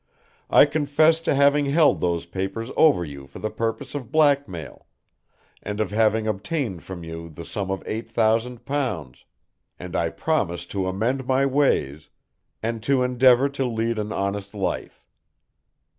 I confess to having held those papers over you for the purpose of blackmail, and of having obtained from you the sum of eight thousand pounds, and I promise to amend my ways, and to endeavour to lead an honest life.